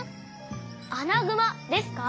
アナグマですか？